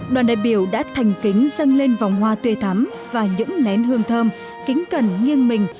đoàn đại biểu đã thành kính dâng lên vòng hoa tươi thắm và những nén hương thơm kính cẩn nghiêng mình